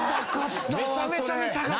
めちゃめちゃ見たかった！